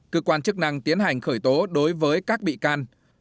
cơ quan chức năng tiến hành khởi tố đối với các bị can